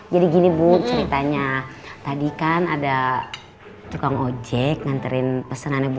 jadi gini bu ceritanya tadi kan ada tukang ojek nganterin pesenannya